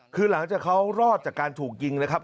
คือหลังจากเขารอดจากการถูกยิงนะครับ